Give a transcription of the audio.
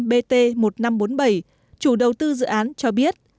bt một nghìn năm trăm bốn mươi bảy chủ đầu tư dự án cho biết